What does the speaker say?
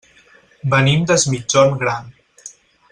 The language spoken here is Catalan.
Venim des Migjorn Gran.